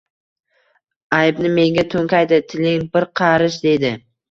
Aybni menga to‘nkaydi: tiling bir qarich, deydi.